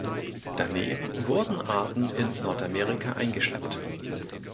Daneben wurden Arten in Nordamerika eingeschleppt.